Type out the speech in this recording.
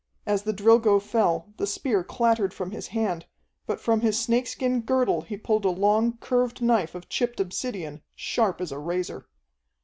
As the Drilgo fell, the spear clattered from his hand, but from his snakeskin girdle he pulled a long, curved knife of chipped obsidian, sharp as a razor.